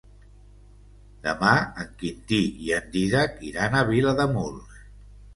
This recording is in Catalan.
Demà en Quintí i en Dídac iran a Vilademuls.